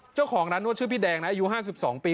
เจ้าของร้านนวดชื่อพี่แดงนะอายุ๕๒ปี